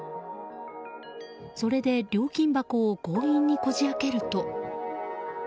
それで料金箱を強引にこじ開けると。